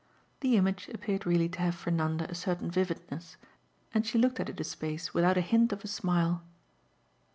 The image appeared really to have for Nanda a certain vividness, and she looked at it a space without a hint of a smile.